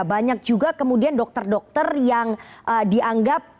banyak juga kemudian dokter dokter yang dianggap